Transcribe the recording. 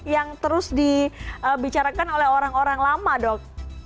yang terus dibicarakan oleh orang orang lama dok